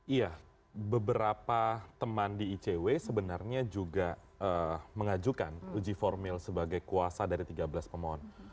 iya beberapa teman di icw sebenarnya juga mengajukan uji formil sebagai kuasa dari tiga belas pemohon